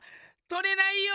とれないよ！